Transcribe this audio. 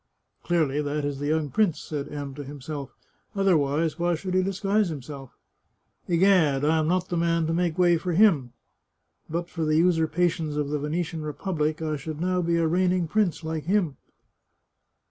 " Clearly that is the young prince," said M to himself ;" otherwise why should he disguise himself ? Egad, I am not the man to make way for him ! But for the usurpations of the Venetian republic I should now be a reigning prince like him."